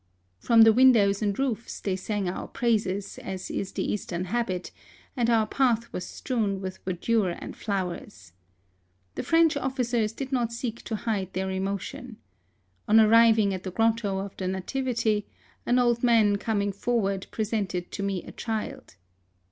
From the windows and roofs they sang our praises, as is the Eastern habit, and our path was strewn with verdure and flowers. The French officers did not seek to hide their emotion. On arriving at the grotto of the Nativity, an old man coming forward presented to me a child.